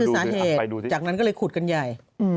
สาเหตุจากนั้นก็เลยขุดกันใหญ่